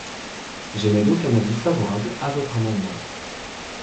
J’émets donc un avis favorable à votre amendement.